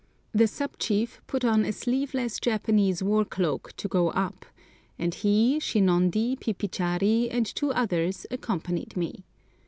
The sub chief put on a sleeveless Japanese war cloak to go up, and he, Shinondi, Pipichari, and two others accompanied me.